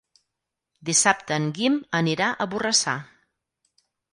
Dissabte en Guim anirà a Borrassà.